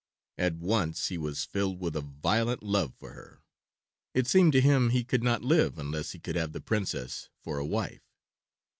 At once he was filled with a violent love for her. It seemed to him he could not live unless he could have the Princess for a wife.